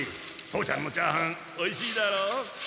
父ちゃんのチャーハンおいしいだろ？